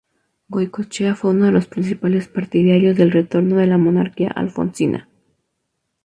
Goicoechea fue uno de los principales partidarios del retorno de la monarquía alfonsina.